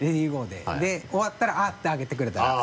で終わったら「あっ」って開けてくれたらあっ。